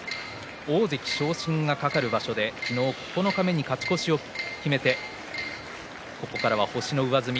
大関昇進が懸かる場所で九日目に勝ち越しを決めてここからは星の上積み。